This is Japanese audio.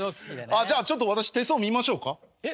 あっじゃあちょっと私手相見ましょうか？え？